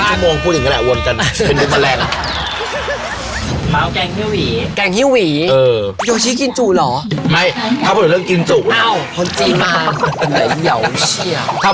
๓ชั่วโมงพูดอย่างนี้แหละอวนกัน